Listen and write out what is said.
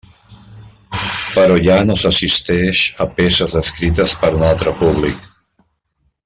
Però ja no s'assisteix a peces escrites per a un altre públic.